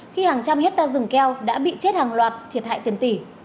khi hàng trăm hết ta dùng keo đã bị chết hàng loạt thiệt hại tiền tỷ